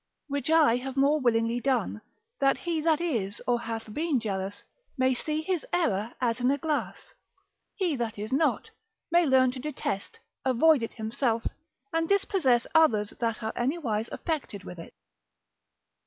Which I have more willingly done, that he that is or hath been jealous, may see his error as in a glass; he that is not, may learn to detest, avoid it himself, and dispossess others that are anywise affected with it.